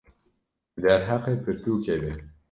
di derheqê pirtûkê de